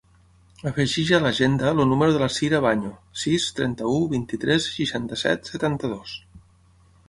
Afegeix a l'agenda el número de la Cira Vaño: sis, trenta-u, vint-i-tres, seixanta-set, setanta-dos.